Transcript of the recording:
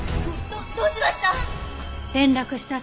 どどうしました！？